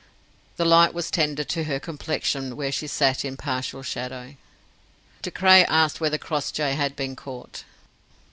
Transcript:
The light was tender to her complexion where she sat in partial shadow. De Craye asked whether Crossjay had been caught.